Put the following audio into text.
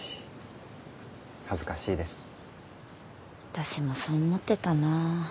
私もそう思ってたな。